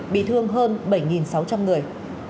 bị thương hơn bảy sáu trăm linh người